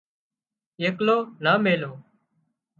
ايڪلو نا ميلو